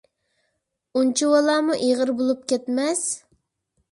ئۇنچىۋالامۇ ئېغىر بولۇپ كەتمەس!